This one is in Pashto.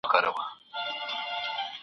جام د میني راکړه